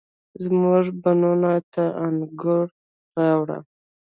زموږ بڼوڼو ته انګور، راوړه،